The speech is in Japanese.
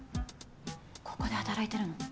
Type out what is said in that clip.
ここで働いてるの？